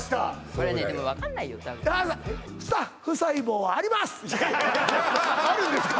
これねでも分かんないよ多分あるんですか？